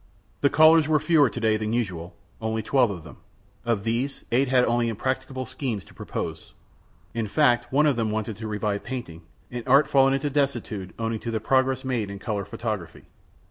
The callers were fewer to day than usual only twelve of them. Of these, eight had only impracticable schemes to propose. In fact, one of them wanted to revive painting, an art fallen into desuetude owing to the progress made in color photography.